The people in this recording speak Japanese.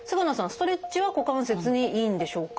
ストレッチは股関節にいいんでしょうか？